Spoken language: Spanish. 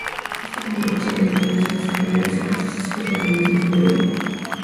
Este complejo sedimentario se desarrolló en ciclos sucesivos, marinos en su mayoría.